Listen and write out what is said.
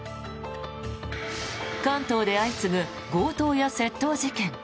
関東で相次ぐ強盗や窃盗事件。